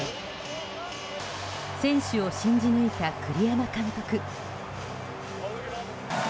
選手を信じ抜いた栗山監督。